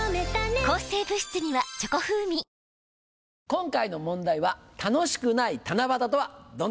今回の問題は楽しくない七夕とはどんなんでしょうか？